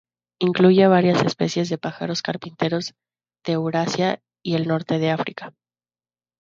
Incluye a varias especies de pájaros carpinteros de Eurasia y el norte de África.